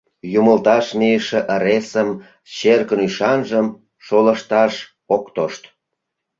Юмылташ мийыше ыресым — черкын ӱшанжым — шолышташ ок тошт.